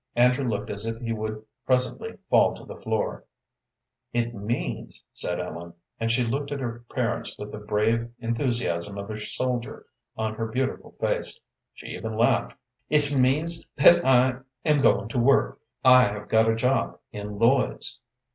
Andrew looked as if he would presently fall to the floor. "It means," said Ellen and she looked at her parents with the brave enthusiasm of a soldier on her beautiful face she even laughed "it means that I am going to work I have got a job in Lloyd's."